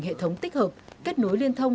hệ thống tích hợp kết nối liên thông